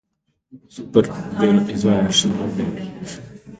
Sara ve, kako nadlegovati njeno sestro.